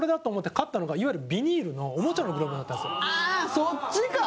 そっちか！